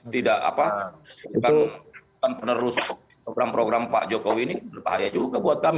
tidak apa bukan penerus program program pak jokowi ini berbahaya juga buat kami